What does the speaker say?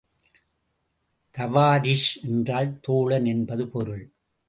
தவாரிஷ் என்றால் தோழன் என்பது பொருள்.